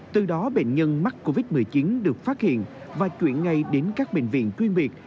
từ đó bệnh nhân mắc covid một mươi chín được phát hiện và chuyển ngay đến các bệnh viện chuyên biệt